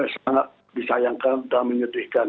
sangat disayangkan dan menyedihkan